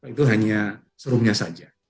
itu hanya serumnya saja